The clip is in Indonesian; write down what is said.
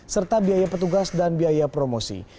serta biaya petugas dan biaya promosi